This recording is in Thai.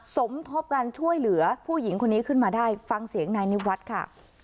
สมทบการช่วยเหลือผู้หญิงคนนี้ขึ้นมาได้ฟังเสียงนายนิวัฒน์ค่ะ